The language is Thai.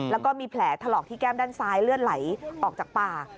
แล้วก็มีแผลถลอกที่แก้มด้านซ้ายเลือดไหลออกจากปาก